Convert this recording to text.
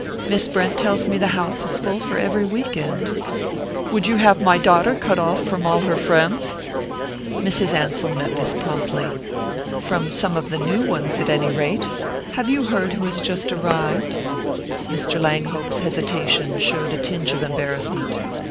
Miss Brent tells me the house is full for every week end." "Would you have my daughter cut off from all her friends?" Mrs. Ansell met this promptly. "From some of the new ones, at any rate! Have you heard who has just arrived?" Mr. Langhope's hesitation showed a tinge of embarrassment.